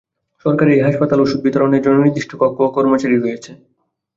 সরকারি এই হাসপাতালে ওষুধ বিতরণের জন্য নির্দিষ্ট কক্ষ ও কর্মচারী রয়েছে।